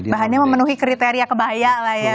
bahannya memenuhi kriteria kebaya lah ya